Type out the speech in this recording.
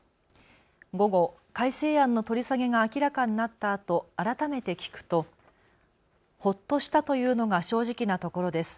午後、改正案の取り下げが明らかになったあと、改めて聞くとほっとしたというのが正直なところです。